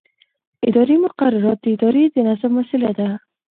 اداري مقررات د ادارې د نظم وسیله ده.